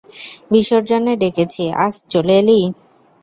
বিসর্জনে ডেকেছি, আজ চলে এলি!